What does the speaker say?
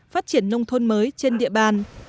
phát triển nông thôn mới trên địa bàn